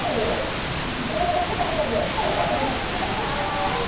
食べてないです。